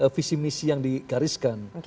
visi misi yang digariskan